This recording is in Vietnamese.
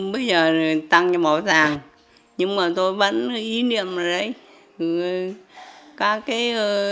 bây giờ tăng cho bộ tàng nhưng mà tôi vẫn ý niệm rồi đấy